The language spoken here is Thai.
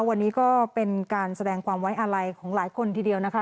วันนี้ก็เป็นการแสดงความไว้อาลัยของหลายคนทีเดียวนะคะ